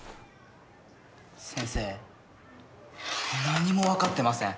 先生何も分かってません！